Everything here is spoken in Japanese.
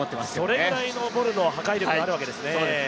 それぐらいのボルの破壊力があるわけですね。